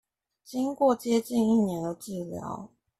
經過接近一年的治療